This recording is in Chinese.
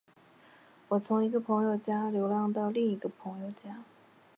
我从一个朋友家流浪到另一个朋友家。